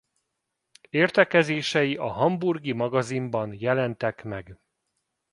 Értekezései a hamburgi Magazinban jelentek meg.